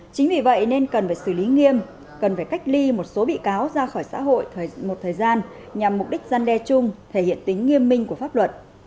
chính vì vậy nên cần phải xử lý nghiêm cần phải cách ly một số bị cáo ra khỏi xã hội một thời gian nhằm mục đích gian đe chung thể hiện tính nghiêm minh của pháp luật